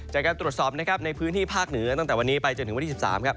จากการตรวจสอบนะครับในพื้นที่ภาคเหนือตั้งแต่วันนี้ไปจนถึงวันที่๑๓ครับ